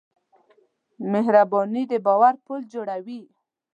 مهرباني د باور پُل جوړوي.